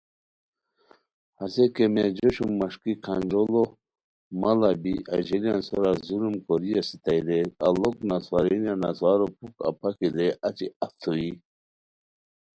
ہسے کیمیا جوشو مݰکیکھانجوڑو ماڑا بی اژیلیان سورا ظلم کوری استائے رے اڑوک نسوارینیہ نسوارو پُھک اپاکی درے اچی اف تھوئیی